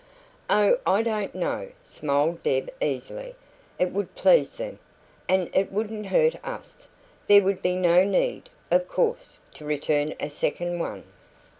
"Oh, I don't know," smiled Deb easily. "It would please them, and it wouldn't hurt us. There would be no need, of course, to return a second one."